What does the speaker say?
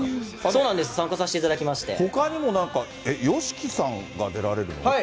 参加させていただきまほかにもなんか、ＹＯＳＨＩＫＩさんが出られるの？